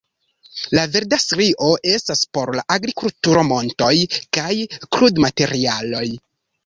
La verda strio estas por la agrikulturo, montoj kaj krudmaterialoj.